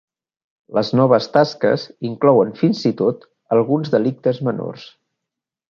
Les noves tasques inclouen fins i tot alguns delictes menors.